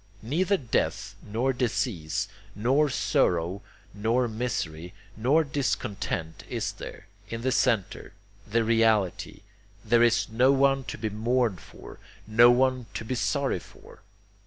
Neither death nor disease, nor sorrow nor misery, nor discontent is there ... in the centre, the reality, there is no one to be mourned for, no one to be sorry for.